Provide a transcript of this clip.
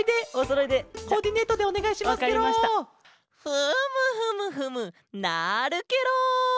フムフムフムなるケロ！